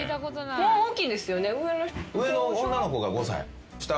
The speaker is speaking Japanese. もう大きいんですよね？